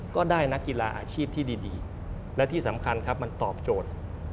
ก็ได้นักกีฬาอาชีพที่ดีและที่สำคัญครับมันตอบโจทย์